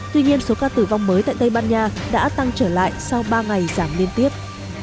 tuy nhiên số ca tử vong mới tại tây ban nha đã tăng trở lại sau ba ngày giảm liên tiếp